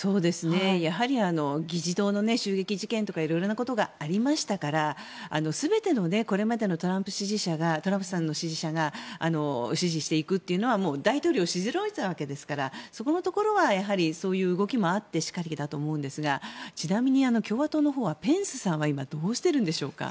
やはり議事堂襲撃事件とかいろいろなことがありましたから全てのこれまでのトランプさんの支持者が支持していくというのは大統領を退いたわけですからそこのところはそういう動きもあってしかるべきだと思うんですがちなみに共和党のほうはペンスさんはどうしてるんでしょうか。